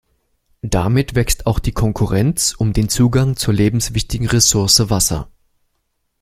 Damit wächst auch die Konkurrenz um den Zugang zur lebenswichtigen Ressource Wasser.